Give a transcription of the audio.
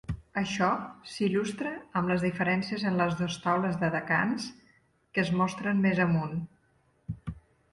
Això s'il·lustra amb les diferències en les dos taules de "decans" que es mostren més amunt.